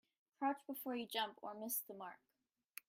Crouch before you jump or miss the mark.